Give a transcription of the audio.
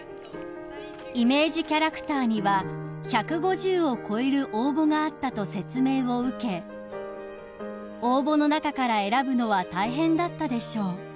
［イメージキャラクターには１５０を超える応募があったと説明を受け「応募の中から選ぶのは大変だったでしょう」